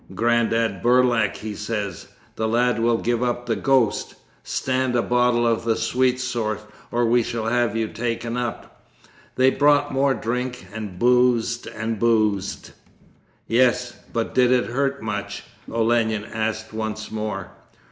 Grandad Burlak, he says, "The lad will give up the ghost. Stand a bottle of the sweet sort, or we shall have you taken up!" They bought more drink, and boozed and boozed ' 'Yes, but did it hurt you much?' Olenin asked once more.